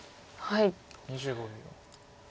２５秒。